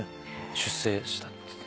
出世した。